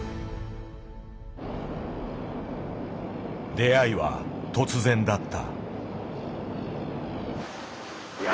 出会いは突然だった。